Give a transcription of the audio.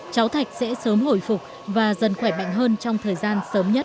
cháu thạch sẽ sớm hồi phục và dần khỏe mạnh hơn trong thời gian sớm nhất